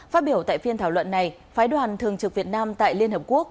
phát biểu tại phiên thảo luận này phái đoàn thường trực việt nam tại liên hợp quốc